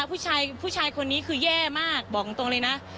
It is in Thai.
ผู้ชายคนนี้คือแย่มากบอกตรงเลยนะ